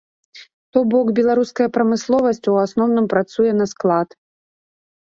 То бок, беларуская прамысловасць у асноўным працуе на склад.